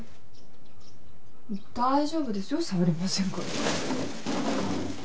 大丈夫ですよ触りませんから。